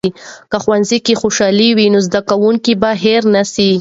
که ښوونځي کې خوشالي وي، زده کوونکي به هیر نسي.